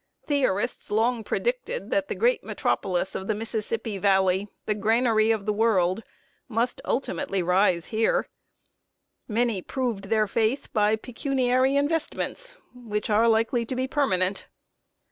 Theorists long predicted that the great metropolis of the Mississippi valley the granary of the world must ultimately rise here. Many proved their faith by pecuniary investments, which are likely to be permanent.